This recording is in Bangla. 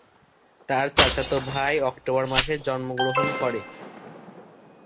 তার চাচাতো ভাই অক্টোবর মাসে জন্মগ্রহণ করে।